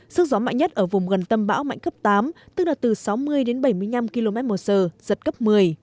sức gió mạnh nhất ở vùng gần tâm bão mạnh cấp tám tức là từ sáu mươi đến bảy mươi năm km một giờ giật cấp một mươi